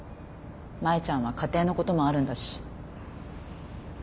舞ちゃんは家庭のこともあるんだし。